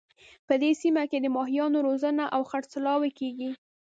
په دې سیمه کې د ماهیانو روزنه او خرڅلاو کیږي